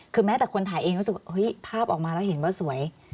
คือแม้แต่คุณถ่ายเองคิดว่าเฮ้ยภาพออกมาแล้วเสร็จมันสวย